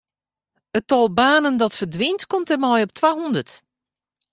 It tal banen dat ferdwynt komt dêrmei op twahûndert.